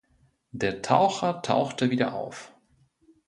Der Taucher tauchte wieder auf.